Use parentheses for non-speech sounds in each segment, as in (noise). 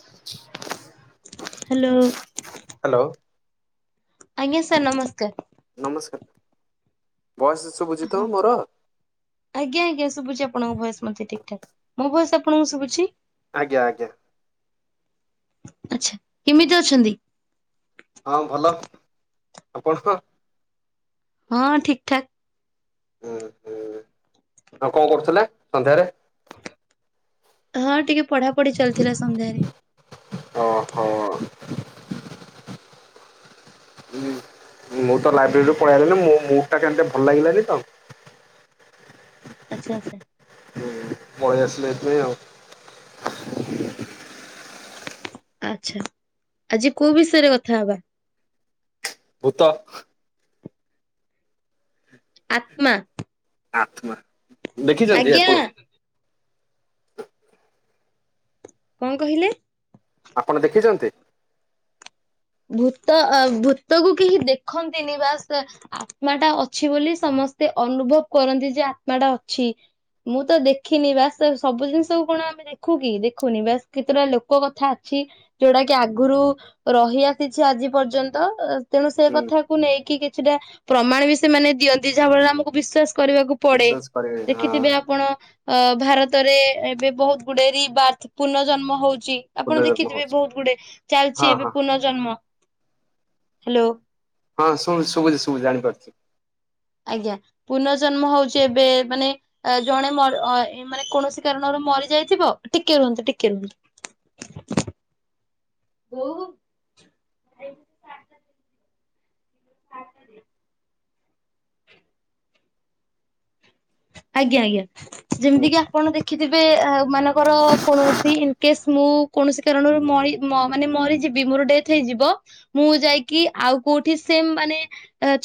(inaudible) Hello hello ଆଜ୍ଞା sir ନମସ୍କାର। ନମସ୍କାର। ଭଏସ ଶୁଭୁଛି ତ ହଁ ମୋର? ଆଜ୍ଞା ଆଜ୍ଞା ଶୁଭୁଛି ଆପଣଙ୍କ ଭୟସ ମତେ ଠିକ ଠାକ ମୋ ଭୟସ ଆପଣକୁ ଶୁଭୁଛି। ଆଜ୍ଞା ଆଜ୍ଞା ଆଛା କେମିତି ଅଛନ୍ତି? ହଁ ଭଲ ଆପଣ କ ହଁ ଠିକ ଠାକ ହୁଁ ହୁଁ ଆଉ କଣ କରୁଥିଲେ ସନ୍ଧ୍ୟାରେ? ହଁ ଟିକେ ପଢା ପଢି ଚାଲିଥିଲା ସନ୍ଧ୍ୟାରେ ହଁ ହଁ ମୁଁ ତ ଲାଇବ୍ରେରୀରୁୁ ପଳେଇଲିି ମୁ ଟା କେମତି ଭଲ ଲାଗିଲାନି ତ ଆଚଛା ଆଛା ବୟସ ଲଥ ନ ଆଉ। ଆଛା ଆଜି କୋଉ ବିଷୟରେ କଥା ହବା। ଭୁତ। ଆତ୍ମା ଆତ୍ମା ଦେଖିଛନ୍ତି ଆଜ୍ଞା ଆପଣ? କଣ କହିଲେ? ଆପଣ ଦେଖିଛନ୍ତି? ଭୂତ ଭୂତକୁ କେହି ଦେଖନ୍ତିନି ବାସ ଆତ୍ମା ଟା ଅଛି ବୋଲି ସମସ୍ତେ ଅନୁଭବ କରନ୍ତି ଯେ ଆତ୍ମା ଟା ଅଛି ମୁଁ ତ ଦେଖିନି ବାସ ସବୁ ଜିନିଷକୁ କଣ ଆମେ ଦେଖୁ କିି ଦେଖୁନି ବାସ୍ କେତେଟା ଲୋକ କଥା ଅଛି ଯୋଉଟା କି ଆଗରୁ ରହିଆ ଆଜି ପର୍ଯ୍ୟନ୍ତ ତେଣୁ ସେ ହୁଁ କଥାକୁ ନେଇକି କିଛିଟା ପ୍ରମାଣ ବି ସେମାନେ ଦିଅନ୍ତି ଯାହାଫଳରେ ଆମକୁ ବିଶ୍ୱାସ କରିବାକୁ ପଡେ ବିଶ୍ୱାସ କରିବେନି ହଁ ଦେଖିଥିବେ ଆପଣ ଅ ଭାରତ ରେ ଏବେ ବହୁତ ଗୁଡେ ରିବାର୍ଥ ପୁର୍ନଜନ୍ମ ହଉଛି। ଆପଣ ପୁନର୍ଜନ୍ମ ଦେଖିଥିବେ ହଉଛି। ବହୁତ ଗୁଡେ ହଁ ଚାଲିଛି ଏବେ ହଁ ପୁର୍ନଜନ୍ମ। ହାଲୋ। ହଁ ଶୁ ଶୁବୁଛି ଶୁବୁଛି ଜାଣିପାରୁଛି। ଆଜ୍ଞା ପୁର୍ନଜନ୍ମ ହଉଛି ଏବେ ମାନେ ଜଣେ ମାନେ କୌଣସି କାରଣରୁ ମରି ଯାଇଥିବ ଟିକେ ରୁହନ୍ତୁ ଟିକେ ରୁହନ୍ତୁ। (inaudible) ଆଜ୍ଞା ଆଜ୍ଞା ହୁଁ ଯେମିତି କି ଆପଣ ଦେଖିଥିବେ ମାନଙ୍କର କୌଣସି ଇନକେସ୍ ମୁଁ କୌଣସି କାରଣରୁ ମରି ମ ମାନେ ମରିଯିବି ମୋର ଡେଥ୍ ହେଇଯିବ ମୁଁ ଯାଇକି ଆଉ କୋଉଠି ସେମ ମାନେ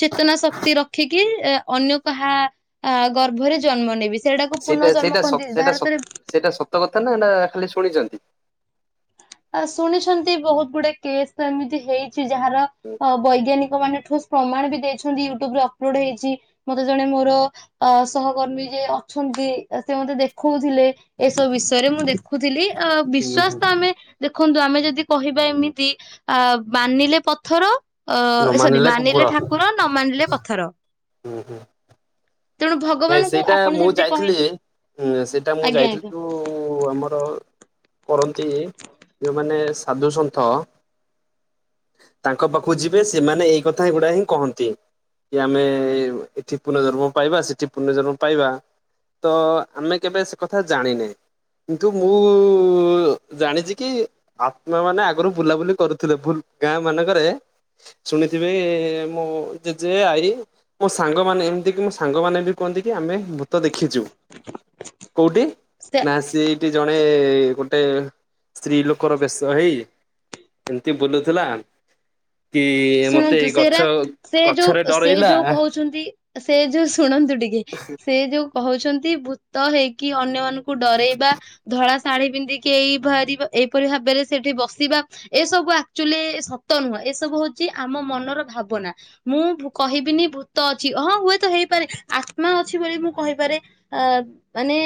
ଚେତନା ଶକ୍ତି ରଖିକି ଅନ୍ୟ କାହା ଗର୍ଭ ଭରେ ଜନ୍ମ ନେବି। ସେଇଟା ସେଇଟା ସ କହନ୍ତି ସତ ସେଇଟା ଭାରତରେ ସେଇଟା ସତ କଥା ନା ଖାଲି ଶୁଣିଛନ୍ତି ଆ ଶୁଣିଛନ୍ତି ବହୁତ ଗୁଡେ କେସ୍ ତ ଏମିତି ହେଇ ଯାହାର ବୈଜ୍ଞାନିକ ମାନେ ଟୋସ୍ ପ୍ରମାଣ ବି ଦେଇଛନ୍ତି ୟୁଟ୍ୟୁବରେ ଅପଲୋଡ ହେଇଛି ମତେ ଜଣେ ମୋର ସହକର୍ମୀ ଯେ ଅଛନ୍ତି ସେ ମତେ ଦେଖଉ ଥିଲେ ଏସବୁ ବିଷୟରେ ମୁଁ ଦେଖୁଥିଲି ହୁଁ ହୁଁ ବିଶ୍ଵାସ ତ ଆମେ ଦେଖନ୍ତୁ ଆମେ ଯଦି କହିବା ଏମିତି ଅ ମାନିଲେ ପଥର ନ ଅ ସରି କୁକୁର ମାନିଲେ ଠାକୁର ନ ମାନିଲେ ପଥର। ହୁଁ ହୁଁ। ତେଣୁ ନାଇଁ ଭଗବାନଙ୍କୁ ସେଇଟା ଆପଣ ମୁଁ ଯେମିତି କହି ଯାଇଥିଲି ସେଇଟା ମୁଁ ଆଜ୍ଞା ଯାଇଥିଲି ଆଜ୍ଞା ଯୋଉ ଆମର କରନ୍ତି ଯୋଉମାନେ ସାଧୁସନ୍ଥ ତାଙ୍କ ପାଖକୁ ଯିବେ ସେମାନେ ଏଇ କଥା ଗୁଡା ହିଁ କହନ୍ତି କି ଆମେ ଏଠି ପୁର୍ନଜନ୍ମ ପାଇବା ସେଠି ପୁର୍ନଜନ୍ମ ପାଇବା ତ ଆମେ କେବେ ସେ କଥା ଜାଣିନେ କିନ୍ତୁ ମୁଁ ଜାଣିଛି କି ଆତ୍ମା ମାନେ ଆଗରୁ ବୁଲାବୁଲି କରୁଥିଲେ ଭୁଲ ଗାଁ ମାନଙ୍କରେ ଶୁଣିଥିବେ ମୁଁ ଜେଜ ଆଈ ମୋ ସାଙ୍ଗମାନେ ଏମିତିକି ମୋ ସାଙ୍ଗମାନେ ବି କୁହନ୍ତି କି ଆମେ ଭୂତ ଦେଖିଛୁ କୋଉଠି? ସେ ନା ସିଏଠି ଜଣେ ଗୋଟେ ସ୍ତ୍ରୀ ଲୋକର ବେଶ ହେଇ ଏମିତି ବୁଲୁଥିଲା। କି ମତେ ଶୁଣନ୍ତୁ ଗଛ ସେରା ସେ ଗଛରେ ଯୋଉ ସେ ଡରେଇଲା ଯୋଉ କହୁଛନ୍ତି ସେ ଯୋଉ ଶୁଣନ୍ତି। ଟିକେ ସେ ଯୋଉ କହୁଛନ୍ତି ଭୂତ ହେଇକି ଅନ୍ୟମାନଙ୍କୁ ଡରେଇବା ଧଳା ଶାଢୀ ପିନ୍ଧିକି ଏଇ ବା ଏଇପରି ଭାବରେ ସେଠି ବସିବା ଏସବୁ ଆକଚୁଆଲି ସତ ନୁହଁ ଏସବୁ ହଉ ଆମ ମନର ଭାବନା ମୁଁ କହିବିନି ଭୂତ ଅଛି ହଁ ହୁଏତ ହେଇପାରେ ଆତ୍ମା ଅଛି ବୋଲି ମୁଁ କହିପାରେ ଅ ମାନେ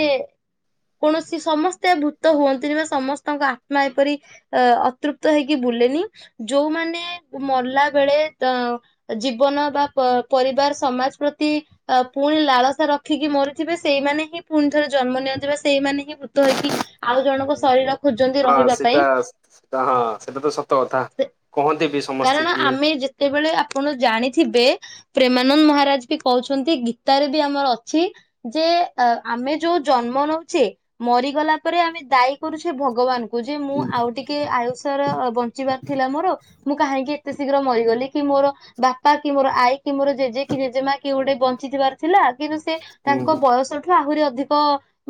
କୌଣସି ସମସ୍ତେ ଭୂତ ହୁଅନ୍ତିନି ବା ସମସ୍ତଙ୍କ ଆତ୍ମା ଏପରି ଅ ଅତୃପ୍ତ ହେଇକି ବୁଲେନି ଯୋଉମାନେ ମଲା ବେଳେ ଅ ଜୀବନ ବା ପରିବାର ସମାଜ ପ୍ରତି ପୁଣି ଲାଳସା ରଖିକି ମରିଥିବେ ସେଇମାନେ ହିଁ ପୁଣି ଥରେ ଜନ୍ମ ନିଅନ୍ତି ଵା ସେଇମାନେ ହିଁ ଭୂତ ହେଇକି ଆଉ ଜଣଙ୍କ ଶରୀର ଖୋଜନ୍ତି ହଁ ରହିବା ପାଇଁ ସେଟା ସେଟା ହଁ ସେଟା ତ ସତ କଥା କହନ୍ତି ବି ସମସ୍ତେ କାରଣ କି ଆମେ ଯେତେବେଳେ ଆପଣ ଜାଣିଥିବେ ପ୍ରେମାନନ୍ଦ ମହାରାଜ ବି କହୁଛନ୍ତି ଗୀତାରେ ବି ଆମର ଅଛି ଯେ ଆମେ ଯୋଉ ଜନ୍ମ ନଉଛେ ମରିଗଲା ପରେ ଆମେ ଦାୟୀ କରୁଛେ ଭଗବାନ କହୁ ଯେ ମୁଁ ଆଉ ଟିକେ ଆୟୁଷ ର ବଞ୍ଚିବାର ଥିଲା ମୋର ମୁଁ କାହିଁକି ଏତେ ଶୀଘ୍ର ମରିଗଲି କି ମୋର ବାପା କି ମୋର ଆଈ କି ମୋର ଜେଜେ କି ଜେଜେମା କି ଗୋଟେ ବଞ୍ଚିଥିବାର ଥିଲା। କିନ୍ତୁ ସେ ତାଙ୍କ ହୁଁ ବୟସଠୁ ଆହୁରି ଅଧିକ ଅଧିକ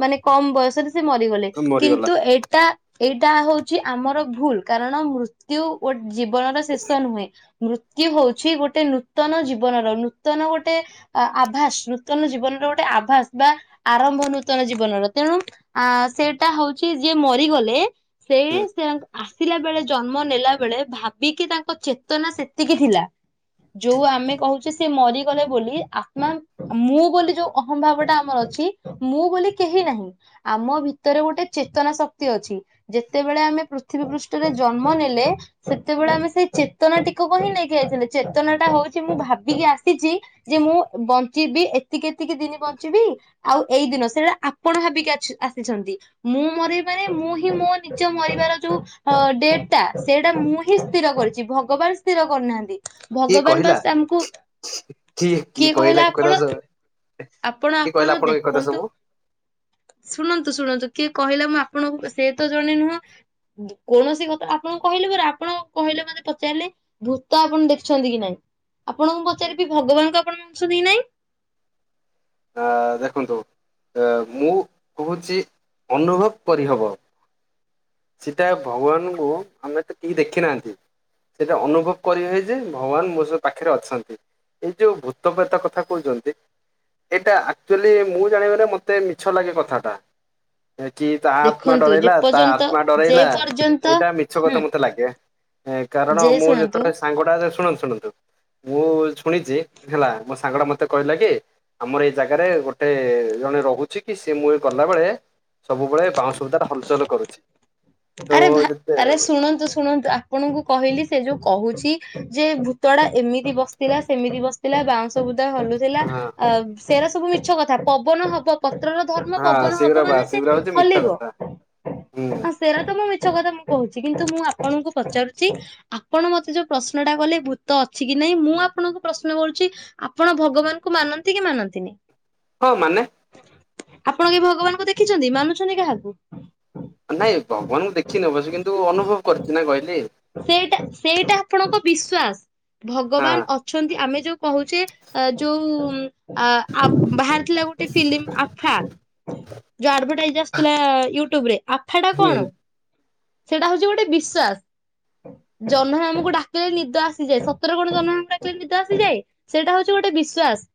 ମାନେ କମ ବୟସରେ। ସେ ମରିଗଲେ ମରିଗଲା କିନ୍ତୁ ଏଇଟା ଏଇଟା ହଉଛି ଆମର ଭୁଲ କାରଣ ମୃତ୍ୟୁଗୋଟି ଜୀବନର ଶେଷ ନୁହେଁ ମୃତ୍ୟୁ ହଉଛି ଗୋଟେ ନୂତନ ଜୀବନର ନୂତନ ଗୋଟେ ଆଭାସ ନୂତନ ଜୀବନର ଗୋଟେ ଆଭାସ ବା ଆରମ୍ଭ ନୂତନ ଜୀବନର ତେଣୁ ଆ ସେଇଟା ହଉଛି ଯିଏ ମରିଗଲେ ସେଇ ସେ ଆସିଲା ବେଳେ ଜନ୍ମ ନେଲା ବେଳେ ଭାବ ଭାବିକି ତାଙ୍କ ଚେତନା ସେତିକି ଥିଲା ଯୋଉ ଆମେ କହୁଛେ ସେ ମରିଗଲେ ବୋଲି ଆତ୍ମା ମୁଁ ବୋଲି ଯୋଉ ଅହଂମ୍ଭାବଟା ଆମର ଅଛି ମୁଁ ବୋଲି କେହି ନାହିଁ ଆମ ଭିତରେ ଗୋଟେ ଚେତନା ଶକ୍ତି ଅଛି ଯେତେବେଳେ ଆମେ ପୃଥିବୀ ପୃଷ୍ଠରେ ଜନ୍ମ ନେଲେ ଯେତେବେଳେ ହୁଁ ଆମେ ସେଇ ଚେତନା ଟିକେ କ ହିଁ ନେଇକି ଯାଇଛନ୍ତି ଚେତନା ଟା ହଉଛି ମୁଁ ଭାବିକି ଆସିଛି ଯେ ମୁଁ ବଞ୍ଚିବି ଏତିକି ଏତିକି ଦିନ ବଞ୍ଚିବି ଆଉ ଏଇ ଦିନ ସେଟା ଆପଣ ଭାବିକି ଆସିଛନ୍ତି ମୁଁ ମରିବିବାନ ମୁଁ ହିଁ ମୋ ନିଜ ମରିବାର ଯୋଉ ଡେଟ ଟା ସେଇଟା ମୁଁ ସ୍ଥିର କରିଛି ଭଗବାନ ସ୍ଥିର କରିୁନାହାନ୍ତି। କିଏ ଭଗବାନ କହିଲା ବାସ ଆମକୁ କିଏ କହିଲା ଆପଣ ଆପଣ କିଏ ଆପଣ କହିଲା ଆପଣଙ୍କୁ ଏ କଥା ଦେଖନ୍ତୁ ସବୁ? ଶୁଣନ୍ତୁ ଶୁଣନ୍ତୁ କିଏ କହିଲା ମୁଁ ଆପଣଙ୍କୁ ସେ ତ ଜଣେ ନୁହଁ କୌଣସି କଥା ଆପଣ କହିଲେ ପ ଆପଣ କହିଲେ ମତେ ପଚାରିଲେ ଭୂତ ଆପଣ ଦେଖୁଛନ୍ତି କି ନାଇଁ ଆପଣଙ୍କୁ ପଚାରିବି ଭଗବାନଙ୍କୁ ଆପଣ ମାଗୁଛନ୍ତି କି ନାଇଁ ଆ ଦେଖନ୍ତୁ ମୁଁ କହୁଛି ଅନୁଭବ କରିହବ। ସେଟା ଭଗବାନଙ୍କୁ ଆମେ ତ ଟ ଦେଖି ନାହାନ୍ତି ସେଇଟା ଅନୁଭବ କରି ହୁଏ ଯେ ଭଗବାନ ମୋ ସ ପାଖରେ ଅଛନ୍ତି ଏଇ ଯୋଉ ଭୂତପେତା କଥା କହୁଛନ୍ତି ଏଇଟା ଆକ୍ଚୁଆଲି ମୁଁ ଜାଣିବାରେ ମତେ ମିଛ ଲାଗେ କଥାଟା। ହେ କି ତା ଆତ୍ମା ଦେଖନ୍ତୁ ଯେ ଡରାଇଲା ପର୍ଯ୍ୟନ୍ତ ତା ଯେ ଡରେଇଲା ପର୍ଯ୍ୟନ୍ତ ଏଇଟା ମିଛ ହୁଁ କଥା ମତେ ଲାଗେ କାରଣ ଯେ ମୁଁ ଶୁଣନ୍ତୁ ଯେତେବେଳେ ସାଙ୍ଗଟା ଶୁଣନ୍ତୁ ଶୁଣନ୍ତୁ ମୁଁ ଶୁଣିଛି ହେଲା ମୋ ସାଙ୍ଗ ଟା ମତେ କହିଲା କି ଆମର ଏଇ ଜାଗାରେ ଗୋଟେ ଜଣେ ରହୁଛି କି ସିଏ ମୁଁଏ ଗଲା ବେଳେ ସବୁବେଳେ ବାଉଁ ସୁବିଧା ଟା ହଲଚଲ କରୁଛି। ତ ଆରେ ଭ ଯେତେ ଆରେ ଶୁଣନ୍ତୁ ଶୁଣନ୍ତୁ ଆପଣଙ୍କୁ କହିଲି ସେ ଯୋଉ କହୁଛି ଯେ ଭୂତ ଟା ଏମିତି ବସିଥିଲା ସେମିତି ବସିଥିଲା ବାଉଁଶ ଭୁ ହଲୁଥିଲା ହଁ ଅ ସୋ ସବୁ ମିଛ କଥା ପବନ ହବ ପତ୍ରର ଧର୍ମ ହଁ ପବନ ହବ ସେଗୁରା ବା ମାନେ ସେ ସେଗୁରା ହଉଛି ମିଛ ହଲିବ। କଥା ହୁଁ ମିଛ କଥା ମୁଁ କହୁଛି କିନ୍ତୁ ମୁଁ ଆପଣଙ୍କୁ ପଚାରୁଛି ଆପଣ ମତେ ଯୋଉ ପ୍ରଶ୍ନ ଟା କଲେ ଭୂତ ଅଛି କି ନହିଁ ମୁଁ ଆପଣଙ୍କୁ ପ୍ରଶ୍ନ କରୁଛି ଆପଣ ଭଗବାନଙ୍କୁ ମାନନ୍ତି କି ମାନନ୍ତିନିଁ ହଁ ମାନେ ଆପଣ ଏ ଭଗବାନଙ୍କୁ ଦେଖିଛନ୍ତି ମାନୁଛନ୍ତି କାହାକୁ ନାଇଁ ଭଗବାନଙ୍କୁ ଦେଖିନ ବ ସେ କିନ୍ତୁ ଅନୁଭବ କରୁଛି ନା କହିଲି। ସେଇଟା ସେଇଟା ଆପଣଙ୍କ ବିଶ୍ଵାସ ହଁ ଭଗବାନ ଅଛନ୍ତି ଆମେ ଯୋଉ କହୁଛେ ଯୋଉ ଆ ବାହାରିଥିଲା ଗୋଟେ ଫିଲ୍ମ ଆଫା ଯୋଉ ଆଡଭାଟାଇଜ ଆସିଥିଲା ୟୁ ଟୁ ଟୁବରେ ଆ ସେଟା ହୁଁ ହୁଁ କଣ? ସେଇଟା ହଉଛି ଗୋଟେ ବିଶ୍ଵାସ ଜହ୍ନ ମାମୁଁ କୁ ଡାକିଲେ ନିଦ ଆସିଯାଏ, ସତରେ କଣ ଜହ୍ନ ମାମୁଁ କୁ ଡାକିଲେ ନିଦ ଆସିଯାଏ? ସେଇଟା ହଉଛି ଗୋଟେ ବିଶ୍ଵାସ।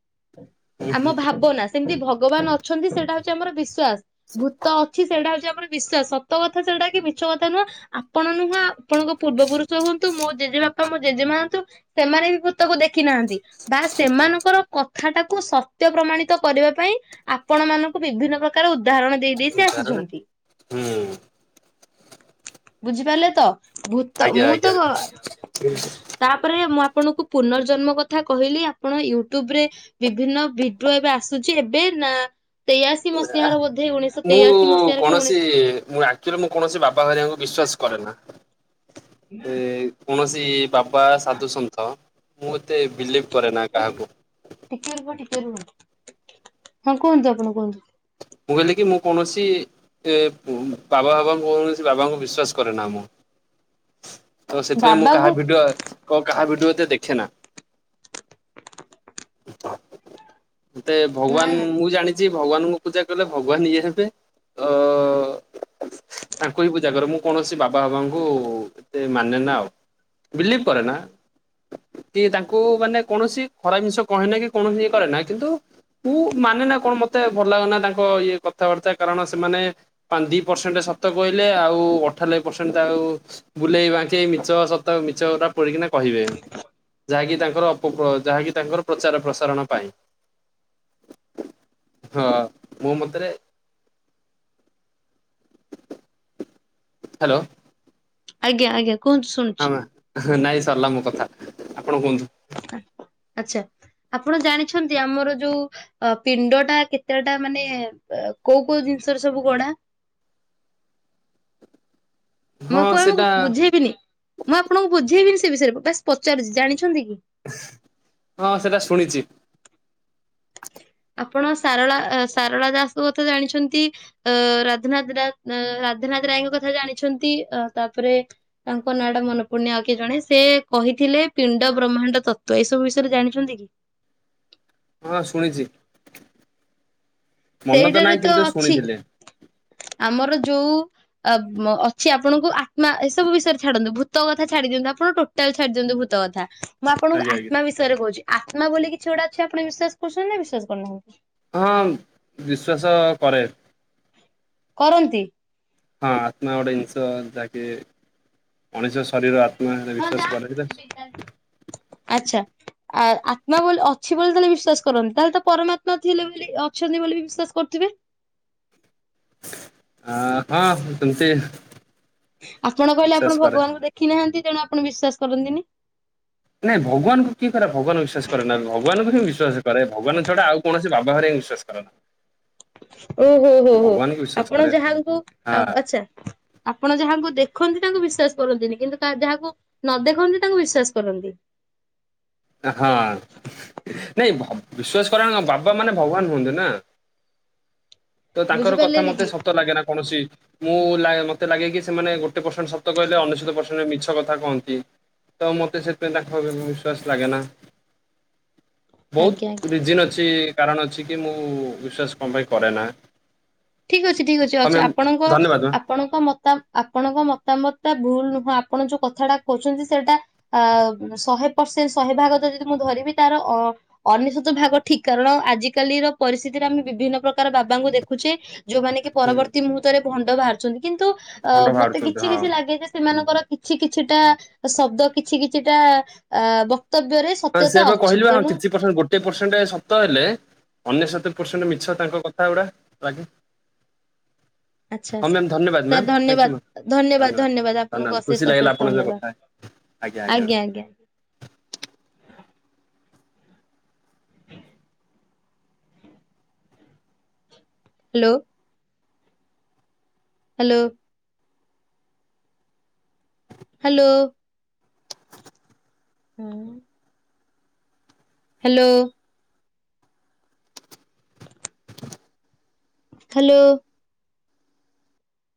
ଆମ ଭାବନା ସି ସେମିତି ଭଗବାନ ଅଛନ୍ତି ସେଇଟା ହଉଚି ଆମର ବିଶ୍ଵାସ, ଭୂତ ଅଛି ସେଇଟା ହଉଚି ଆମର ବିଶ୍ଵାସ ସତ କଥା ସେଟା କି ମିଛ କଥା ନୁହଁ, ଆପଣ ନୁହଁ ଆପଣଙ୍କ ପୂର୍ବ ପୁରୁଷ ହୁଅନ୍ତୁ, ମୋ ଜେଜେ ବାପା, ମୋ ଜେଜେ ମା ଅନ୍ତୁ ସେମାନେ ବି ଭୂତକୁ ଦେଖି ନାହାଁନ୍ତି। ବା ସେମାନଙ୍କର କ ଥା ଟାକୁ ସତ୍ୟ ପ୍ରମାଣିତ କରିବା ପାଇଁ ଆପଣ ମାନଙ୍କୁ ବିଭିନ୍ନ ପ୍ରକାର ଉ ଉଦାହରଣ ଦେଇ ଦେଇ ସେ ଉଦାହରଣ ଆସିଛନ୍ତି। ହୁଁ। ବୁଝିପାରିଲେ ତ। ଭୂତ ଆଜ୍ଞା ମୁଁ ତ ଆଜ୍ଞା। ତାପରେ ମୋ ଆପଣଙ୍କୁ ପୁନର୍ଜନ୍ମ କଥା କହିଲି ଆପଣ ୟୁଟ୍ୟୁବ ରେ ବିଭିନ୍ନ ଭିଡିଓ ଏବେ ଆସୁଛି ଏବେ ନା ତେୟାଅଶି ମସିହାର ବୋଧେ ଉଣେଇଶହ ତେୟାଅଶି ମସିହାରେ କି ଉଣେ କେ ମୁଁ ଆକ୍ଚୁଲି ମୁଁ କୌଣସି ବାବା ହେରିଆଙ୍କୁ ବିଶ୍ୱାସ କରେ ନା। ଏ କୌଣସି ସେ ବାବା ସାଧୁସନ୍ଥ ମୁଁ ଏତେ ବିଲିଭ୍ କରେନା କାହାକୁ। ଟିକେ ରୁହ ଟିକେ ହଁ କୁହନ୍ତୁ ଆପଣ କୁହନ୍ତୁ। ମୁଁ କହିଲି କି ମୁଁ କୌଣସି ଏ ଉଁ ବାବା ଫାବା କୌଣସି ବାବାଙ୍କୁ ବିଶ୍ବାାସ କରେ ନା ମୁଁ। ତ ସେଥିପାଇଁ ମୁଁ କାହା ବାବାଙ୍କୁ ଭିଡିଓ କ- କାହା ଭିଡିଓ ଯେ ଦେଖେ ନା। ମୋତେ ନା ଭଗବାନ ନା ମୁଁ ଜାଣିଚି ଭଗବାନଙ୍କୁ ପୂଜା କଲେ ଭଗବାନ ଇଏ ହେବେ, ଅ, ତାଙ୍କୁ ହିଁ ପୂଜା କର ମୁଁ କୌଣସି ବାବା ଫାବାଙ୍କୁ ଏତେ ମାନେ ନା ଆଉ, ବିଲିଭ୍ କରେ ନା, କି ତାଙ୍କୁ ମାନେ କୌଣସି ଖରା ଜିନିଷ କହେ ନା କି କୌଣସି ଇଏ କରେ ନା କିନ୍ତୁ ମୁଁ ମାନେ ନା କଣ ମୋତେ ଭଲ ଲାଗେନା ତାଙ୍କ ଇଏ କଥାବାର୍ତ୍ତା କାରଣ ସେମାନେ ପା-ଦି ପରସେଣ୍ଟ ସତ କହିଲେ ଆଉ ଅଠାଲବେ ପରସେଣ୍ଟ ତାକୁ ବୁଲେଇ ବାଙ୍କେଇ ମିଛ, ସତ ମିଛ ତା ପଢିକିନା କହିବେ, ଯାହାକି ତାଙ୍କର ଅପପ ଯାହାକି ତାଙ୍କର ପ୍ରଚାର ପ୍ରସାରଣ ପାଇଁ, ହଁ। ମୋ ମତରେ, ହାଲୋ। ଆଜ୍ଞା ଆଜ୍ଞା। କୁହନ୍ତୁ ଶୁଣୁଛି ଆମ ନାଇ ସରିଲା ମୋ କଥା, ଆପଣ କୁହନ୍ତୁ। ଆ ଆଚ୍ଛା ଆପଣ ଜାଣିଛନ୍ତି ଆମର ଯୋଉ ଅ, ପିଣ୍ଡ ଟା କେତେଟା ମାନେ ଅ, କୋଉ କୋଉ ଜିନିଷର ସବୁ ଗଢା? ମୋ ହଁ ପୁଆକଙ୍କୁ ସେଟା ବୁଝେଇବିନି ମୁଁ ଆପଣଙ୍କୁ ବୁଝେଇବିନି ସେ ସେ ବିଷୟରେ ପ-ବାସ୍ ପଚାରୁଚି ଜାଣି ହଁ ସେଟା ଶୁଣିଛି। ଆପଣ ସାରଳା ସାରଳା ଦାସଙ୍କ କଥା ଜାଣିଛନ୍ତି ରାଧନାଥ ରାଧାନଥ ରାୟଙ୍କ କଥା ଜାଣିଛନ୍ତି ତାପରେ ତାଙ୍କ ନାଁଟା ମନ ପଡ଼ୁନି ଆଉ କିଏ ଜଣେ ସେ କହିଥିଲେ ପିଣ୍ଡ ବ୍ରହ୍ମାଣ୍ଡ ତତ୍ଵ ଏଇସବୁ ବିଷୟରେ ଜାଣିଛନ୍ତି କି? ହଁ ଶୁଣିଛି। ମନ ତ ସେଇଟାରେ ନାହିଁ କିନ୍ତୁ ଅଛି ଶୁଣିଥିଲେ। ଆମର ଯୋଉ ଅଛି ଆପଣଙ୍କୁ ଆତ୍ମା ଏସବୁ ବିଷୟରେ ଛାଡନ୍ତୁ ଭୂତ କଥା ଛାଡି ଦିଅନ୍ତୁ ଆପଣ ଟୋଟାଲ ଛାଡି ଦିଅନ୍ତୁ ଭୂତ କଥା ମୁଁ ଆପଣଙ୍କୁ ଆଜ୍ଞା ଆଜ୍ଞା ଆତ୍ମା ବିଷୟରେ କହୁଛି। ଆତ୍ମା ବୋଲି କିଛି ଗୋଟା ଅଛି ଆପଣ ବିଶ୍ୱାସ କରୁଛନ୍ତି ନା ବିଶ୍ୱାସ କରୁନାହାନ୍ତି। ହଁ ବିଶ୍ୱାସ କରେ। କରନ୍ତି। ହଁ ଆତ୍ମା ଗୋଟେ ଜିନିଷ ଯାହାକି ମଣିଷ ଶରୀର ଆ ତୁ ହଁ ବିଶ୍ୱାସ କର (inaudible) ଯାଆନ୍ତୁ ଆଚ୍ଛା। ଆ ଆତ୍ମା ବୋଲି ଅଛି ବୋଲି ତାହେଲେ ବିଶ୍ଵାସ କରନ୍ତି ତାହେଲେ ତ ପରମାତ୍ମା ଥିଲେ ବୋଲି ଅଛନ୍ତି ବୋଲି ବିସ୍ୱାସ କରୁଥିବେ ଅ ହଁ ସେମିତି ଆପଣ କହିଲେ ବିଶ୍ଵାସ ଆପଣ କରେ। ଭଗବାନଙ୍କୁ ଦେଖିନାହାନ୍ତି। ତେଣୁ ଆପଣ ବିଶ୍ଵାସ କରନ୍ତିନି ନାଇଁ ଭଗବାନଙ୍କୁ କିଏ କରେ ଭଗବାନ ବିଶ୍ୱାସ କରେ ନା ଭଗବାନଙ୍କୁ ବାହାରେ ବିଶ୍ୱାସ କରନ ଓ ହୋ ହୋ ହୋ ଆପଣ କରେ ଯାହାଙ୍କୁ ହଁ ହଁ ଆଚଛା ଆପଣ ଯାହାଙ୍କୁ ଦେଖନ୍ତି ତାଙ୍କୁ ବିଶ୍ଵାସ କରନ୍ତିନି କିନ୍ତୁ ଯାହାକୁ ନ ଦେଖନ୍ତି ତାଙ୍କୁ ବିସ୍ୱାସ କରନ୍ତି। ହଁ ନାଇଁ ବିସ୍ଵାସ କରେ ମାନେ ବାବା ମାନେ ଭଗବାନ ହୁଅନ୍ତି ନା ତ ତାଙ୍କର କଥା ବୁଝିପାରିଲେନି ମତେ କି ସତ ଲାଗେ ନା କୌଣସି ମୁଁ ମତେ ଲାଗେ କି ସେମାନେ ଗୋଟେ ପରସେଣ୍ଟ ସତ କହିଲେ ଅନେଶତ୍ ପରସେଣ୍ଟ ମିଛ କଥା କହନ୍ତି ତ ମତେ ସେଥିପାଇଁ ତାଙ୍କ ବିଶ୍ଵାସ ଲାଗେ ନା ଆଜ୍ଞା ବହୁତ ଆଜ୍ଞା। ରିଜିନ୍ ଅଛି କାରଣ ଅଛି କି ମୁଁ ବିଶ୍ଵାସ କଣ ପାଇଁ କରେ ନା ଠିକ ଅଛି ଠିକ ଅଛି ହଁ ଅଛି ମ୍ୟାମ୍ ଆପଣଙ୍କ ଧନ୍ୟବାଦ ଆପଣଙ୍କ ମ ଆପଣଙ୍କ ମତାମତ ଭୁଲ ନୁହଁ ଆପଣ ଯୋଉ କଥାଟା କହୁଛନ୍ତି ସେଇଟା ଶହେ ପରସେଣ୍ଟ ଶହେ ଭାଗ ତ ଯଦି ମୁଁ ଧରିବି ତାର ଅନେଶତ ଭାଗ ଠିକ କାରଣ ଆଜିକାଲିର ପରିସ୍ଥିତିରେ ଆମେ ବିଭିନ୍ନ ପ୍ରକାର ବାବାଙ୍କୁ ଦେଖୁଛେ (inaudible) ଯୋଉମାନେ କି ମ୍ୟାମ୍ ହୁଁ ପରବର୍ତ୍ତୀ ମୁହୂର୍ତ୍ତରେ ଭଣ୍ଡ ବାହାରୁଛନ୍ତି। କିନ୍ତୁ ଅ ଭଣ୍ଡ ମତେ ବାହାରୁଛନ୍ତି କିଛି ହଁ। କିଛି ଲାଗେ ଯେ ସେମାନଙ୍କୁ କିଛି କିଛିଟା ଶବ୍ଦ କିଛି କିଛିଟା ଅ ହଁ ସେଇଆ ପା କହିଲିପା ହଁ କିଛି ପରସେଣ୍ଟ ଗୋଟେ ପରସେଣ୍ଟ ସତ ହେଲେ ଅନେଶତ ପର୍ସେଣ୍ଟ ମିଛ ତାଙ୍କ କଥା ଗୁଡ଼ା ଲାଗେ। ଆଚଛା ଆଛା ହଁ ମ୍ୟାମ୍ ଧନ୍ୟବାଦ ମ୍ୟାମ୍ ସାର୍ ଥ୍ୟାଙ୍କୟୁ ମ୍ୟାମ୍। ଧନ୍ୟବାଦ ଧନ୍ୟବାଦ ଧନ୍ୟବାଦ ଆପଣଙ୍କୁ ଖୁସି ଅଶେଷ ଲାଗିଲା ଅଶେଷ ଆପଣଙ୍କ ସହ ଧନ୍ୟବାଦ କଥା ହେଇ ଆଜ୍ଞା ଆଜ୍ଞା। ହ୍ୟାଲୋ। ହ୍ୟାଲୋ। ହ୍ୟାଲୋ ହଁ (inaudible) ହ୍ୟାଲୋ ହ୍ୟାଲୋ